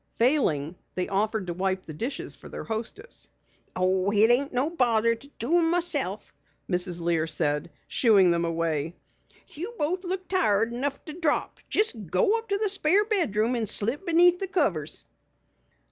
Failing, they offered to wipe the dishes for their hostess. "Oh, it ain't no bother to do 'em myself," Mrs. Lear said, shooing them away. "You both look tired enough to drop. Just go up to the spare bedroom and slip beneath the covers."